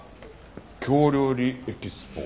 「京料理エキスポ」。